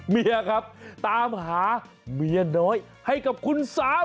เมียครับตามหาเมียน้อยให้กับคุณสาว